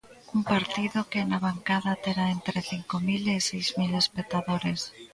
Un partido que na bancada terá entre cinco mil e seis mil espectadores.